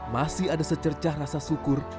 masih ada secercah rasa syukur